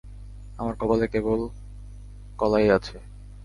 আমার কপালে কেবল কলাই আছে।